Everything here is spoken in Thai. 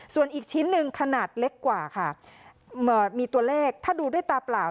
ส่วนอีกชิ้นหนึ่งขนาดเล็กกว่าค่ะมีตัวเลขถ้าดูด้วยตาเปล่า